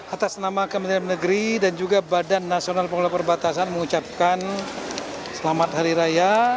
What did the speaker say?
atas nama kementerian negeri dan juga badan nasional pengelola perbatasan mengucapkan selamat hari raya